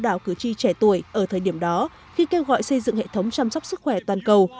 đảo cử tri trẻ tuổi ở thời điểm đó khi kêu gọi xây dựng hệ thống chăm sóc sức khỏe toàn cầu